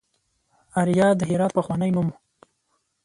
اریا د هرات پخوانی نوم و